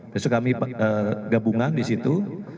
besok kami gabungan di situ